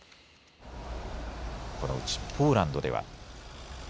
このうちポーランドでは。